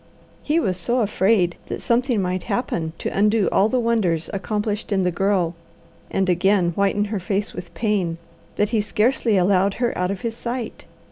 He was so afraid that something might happen to undo all the wonders accomplished in the Girl, and again whiten her face with pain, that he scarcely allowed her out of his sight.